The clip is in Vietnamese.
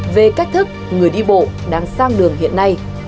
về cách thức người đi bộ đang sang đường hiện nay